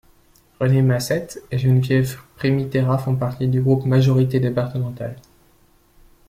René Massette et Geneviève Primiterra font partie du groupe Majorité Départementale.